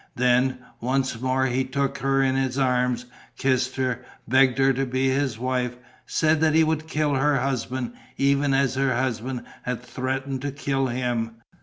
Then, once more, he took her in his arms, kissed her, begged her to be his wife, said that he would kill her husband, even as her husband had threatened to kill him.